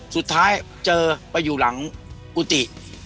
สุดท้ายเจอไปอยู่หลังกุฏิ